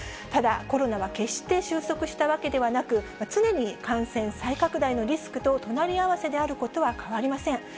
ただ、コロナは決して収束したわけではなく、常に感染再拡大のリスクと隣り合わせであることは変わりません。